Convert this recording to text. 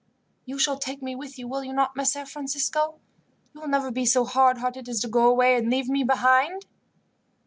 "You will take me with you, will you not, Messer Francisco? You will never be so hard hearted as to go away and leave me behind?"